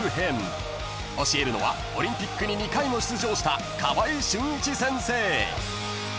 ［教えるのはオリンピックに２回も出場した川合俊一先生］